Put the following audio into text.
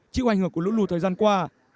chịu hành hưởng của lũ lù thời gian qua